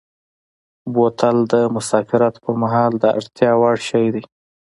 بوتل د مسافرت پر مهال د اړتیا وړ شی دی.